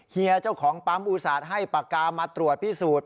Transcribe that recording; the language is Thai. เฮียเจ้าของปั๊มอุตส่าห์ให้ปากกามาตรวจพิสูจน์